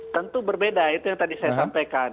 tentu berbeda itu yang tadi saya sampaikan